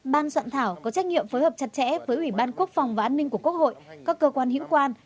ban soạn thảo có trách nhiệm phối hợp chặt chẽ với ủy ban quốc phòng và an ninh của quốc hội các cơ quan hữu quan